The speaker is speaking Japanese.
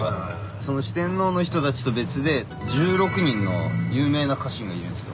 その四天王の人たちと別で１６人の有名な家臣がいるんですよ。